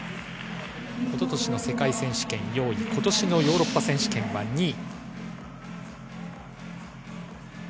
一昨年の世界選手権４位、今年のヨーロッパ選手権は２位。